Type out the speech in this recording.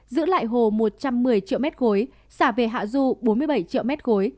giữ lại hồ một trăm một mươi triệu m ba xả về hạ du bốn mươi bảy triệu m ba